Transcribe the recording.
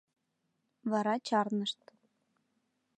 Вара чарнышт.